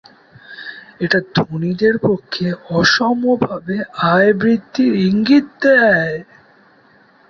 এটা ধনীদের পক্ষে অসমভাবে আয় বৃদ্ধির ইঙ্গিত দেয়।